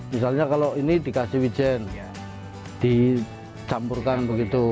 misalnya kalau ini dikasih wijen dicampurkan begitu